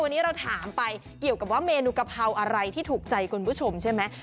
วันนี้เราถามไปเกี่ยวกับว่าเมนูกะเพราอะไรที่ถูกใจคุณผู้ชมใช่ไหม